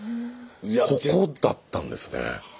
ここだったんですね。